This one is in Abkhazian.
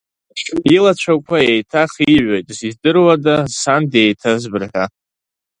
Илацәақәа еиҭа хиҩоит, издыруада сан деиҭазбар ҳәа.